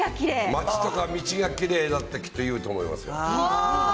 町とか道がきれいだって、きっと言うと思いますよ。